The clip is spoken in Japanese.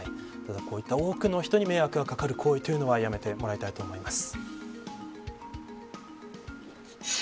こういった多くの人に迷惑がかかる行為やめてもらいたいと思います。